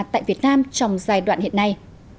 tại việt nam trong giai đoạn hiện nay